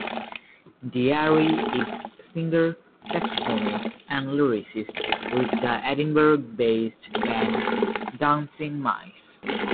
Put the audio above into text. Deary is singer, saxophonist, and lyricist with the Edinburgh-based band Dancing Mice.